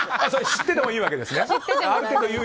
知っててもいいわけですね。